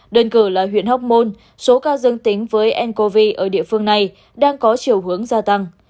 đơn cử là huyện hóc môn số ca dương tính với ncov ở địa phương này đang có chiều hướng gia tăng